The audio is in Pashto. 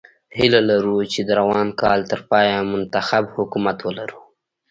هیله لرو چې د روان کال تر پایه منتخب حکومت ولرو.